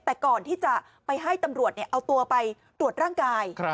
แต่ก่อนที่จะไปให้ตำรวจเอาตัวไปตรวจร่างกาย